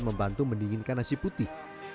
membantu mendinginkan nasi putih